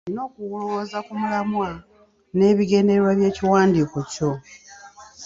Olina okulowooza ku mulamwa n'ebigendererwa by'ekiwandiiko kyo.